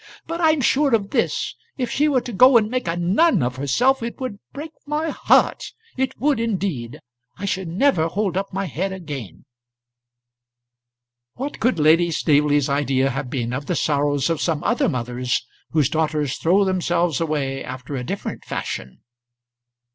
"But I'm sure of this, if she were to go and make a nun of herself, it would break my heart, it would, indeed. I should never hold up my head again." What could Lady Staveley's idea have been of the sorrows of some other mothers, whose daughters throw themselves away after a different fashion?